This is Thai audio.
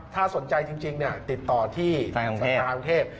ถ้าสนใจจริงเนี่ยติดต่อที่สหรัฐกรุงเทพฯ